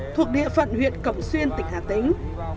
thuộc địa phận huyện cẩm xuyên tỉnh hà tính